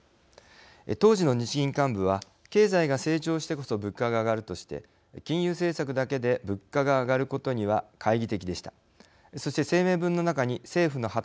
当時の日銀幹部は経済が成長してこそ物価が上がるとして金融政策だけで物価が上がることには懐疑的でした。